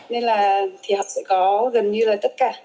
nên là thì học sẽ có gần như là tất cả